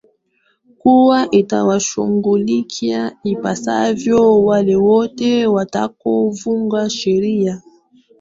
kuwa itawashughulikia ipasavyo wale wote watakao vunja sheria